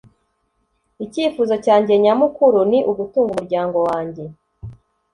icyifuzo cyanjye nyamukuru ni ugutunga umuryango wanjye